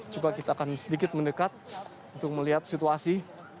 juga kita akan sedikit mendekat untuk melihat situasi